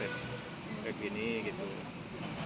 pemudik gini gitu